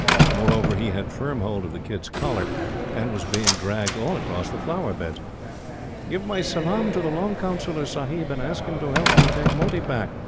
Moreover, he had firm hold of the kid's collar, and was being dragged all across the flower beds. "Give my salaam to the long Councillor Sahib, and ask him to help me take Moti back!"